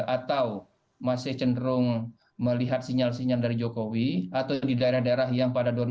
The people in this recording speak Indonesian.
atau masih cenderung melihat sinyal sinyal dari jokowi atau di daerah daerah yang pada dua ribu sembilan belas